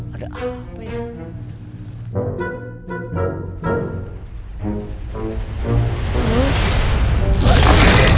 ada apa ya